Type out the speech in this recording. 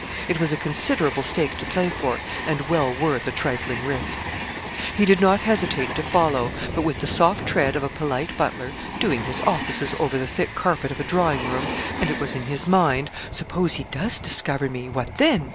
It was a considerable stake to play for, and well worth a trifling risk. He did not hesitate to follow but with the soft tread of a polite butler, doing his offices over the thick carpet of a drawing room and it was in his mind 'Suppose he does discover me, what then?